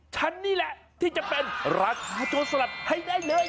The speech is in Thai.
ฉันนี่แหละที่จะเป็นราคาตัวสลัดให้ได้เลย